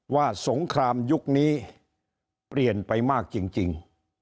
สงครามยุคนี้เปลี่ยนไปมากจริง